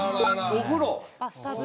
お風呂？